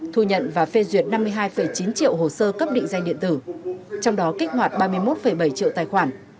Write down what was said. thu nhận và phê duyệt năm mươi hai chín triệu hồ sơ cấp định danh điện tử trong đó kích hoạt ba mươi một bảy triệu tài khoản